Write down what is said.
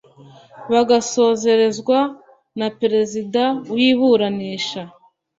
bagasozerezwa na perezida w iburanisha